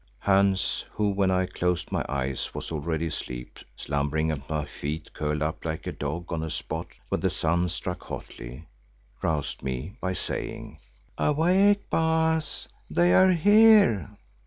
Hans, who when I closed my eyes was already asleep slumbering at my feet curled up like a dog on a spot where the sun struck hotly, roused me by saying: "Awake, Baas, they are here!"